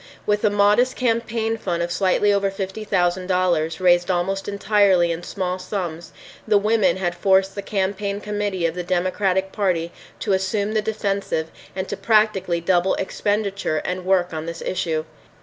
With a modest campaign fund of slightly over fifty thousand dollars, raised almost entirely in small sums, the women had forced the campaign committee of the Democratic Party to assume the defensive and to practically double expenditure and work on this issue.